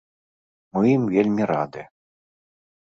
Мы ім вельмі рады.